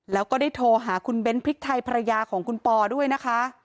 แล้วก็ได้โทรหาคุณเบ้นพริกไทยภรรยาของคุณปอด้วยนะคะ